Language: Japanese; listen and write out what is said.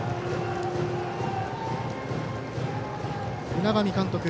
海上監督。